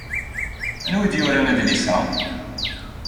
Anwa ay d-yuran adlis-a?